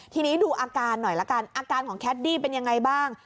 ทีนี้ดูอาการหน่อยละกันอาการของแคดดี้เป็นยังไงบ้าง